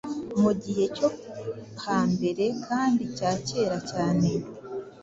mu gihe cyo hambere kandi cya kera cyane